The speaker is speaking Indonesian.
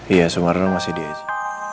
iya sumarna masih dia aja